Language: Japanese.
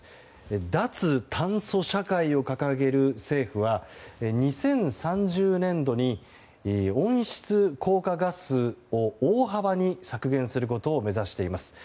脱炭素社会を掲げる政府は２０３０年度に温室効果ガスを大幅に削減することを目指しています。